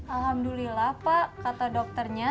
alhamdulillah pak kata dokternya